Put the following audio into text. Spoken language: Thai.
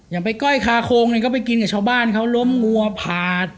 อย่างไปก้อยคาโคงก็ไปกินกับชาวบ้านเขาล้มงัวผาด